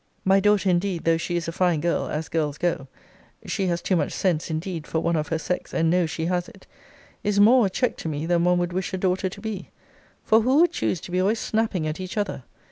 My daughter indeed, though she is a fine girl, as girls go, (she has too much sense indeed for one of her sex, and knows she has it,) is more a check to me than one would wish a daughter to be: for who would choose to be always snapping at each other?